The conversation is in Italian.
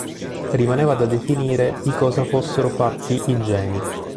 Rimaneva da definire di cosa fossero fatti i geni.